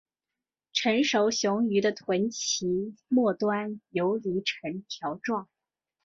成熟雄鱼的臀鳍末端游离呈条状。